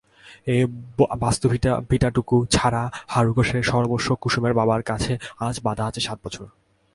এই বাস্তুভিটাটুকু ছাড়া হারু ঘোষের সর্বস্ব কুসুমের বাবার কাছে আজ বাধা আছে সাত বছর।